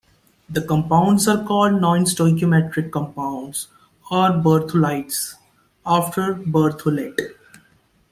The compounds are called non-stoichiometric compounds, or Berthollides, after Berthollet.